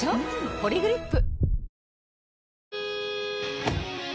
「ポリグリップ」